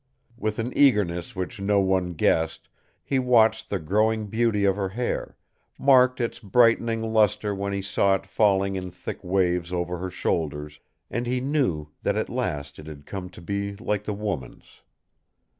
With an eagerness which no one guessed he watched the growing beauty of her hair, marked its brightening luster when he saw it falling in thick waves over her shoulders, and he knew that at last it had come to be like the woman's.